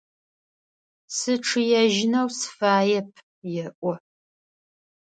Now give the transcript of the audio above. Сычъыежьынэу сыфаеп, – elo.